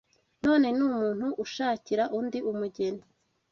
none ni umuntu ushakira undi umugeni